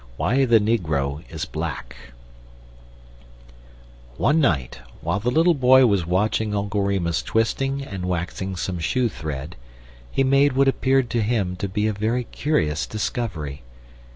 WHY THE NEGRO IS BLACK ONE night, while the little boy was watching Uncle Remus twisting and waxing some shoe thread, he made what appeared to him to be a very curious discovery.